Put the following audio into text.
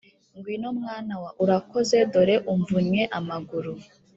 Ngwino mwana wa urakoze dore umvunnye amaguru